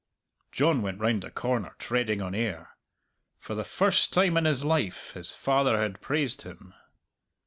John went round the corner treading on air. For the first time in his life his father had praised him.